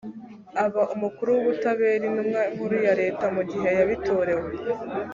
aba umukuru w ubutabera intumwa nkuru ya leta mu gihe yabitorewe